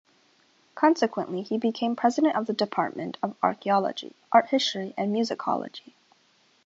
Consequently, he became president of the Department of Archaeology, Art History, and Musicology.